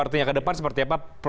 artinya ke depan seperti apa